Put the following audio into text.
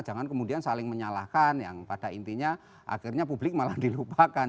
jangan kemudian saling menyalahkan yang pada intinya akhirnya publik malah dilupakan